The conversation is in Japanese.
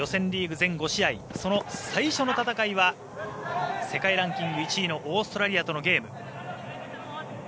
全５試合その最初の戦いは世界ランキング１位のオーストラリアとのゲーム。